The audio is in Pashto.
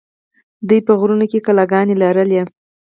دوی په غرونو کې کلاګانې لرلې